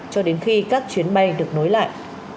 cho đến khi các chuyến bay được nối lại